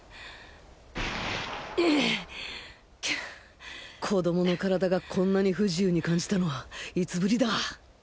く子供の身体がこんなに不自由に感じたのはいつぶりだ